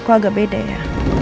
kok agak beda ya